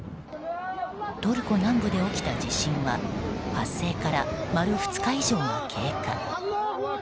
トルコ南部で起きた地震は発生から丸２日以上が経過。